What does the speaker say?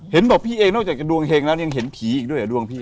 เห็นบอกพี่เองนอกจากดวงแห่งนั้นยังเห็นผีอีกด้วยอ่ะดวงพี่